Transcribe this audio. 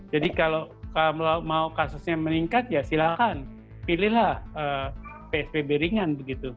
kalau mau kasusnya meningkat ya silakan pilihlah psbb ringan begitu